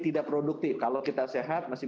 tidak produktif kalau kita sehat masih